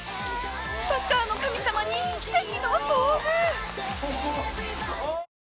サッカーの神様に奇跡の遭遇！！